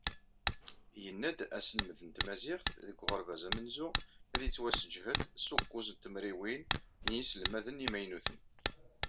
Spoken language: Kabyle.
Yenna-d: "Aselmed n tmaziɣt deg uɣerbaz amenzu, ad yettwaseǧhed s ukkuẓ tmerwin n yiselmaden imaynuten.